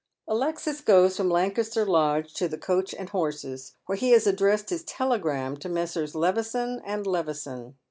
Alexis goes from Lancaster Lodge to the "Coach and Horses," whence he has addressed his telegram to Messrs. Levison and Levi son.